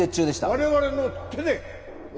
我々の手で。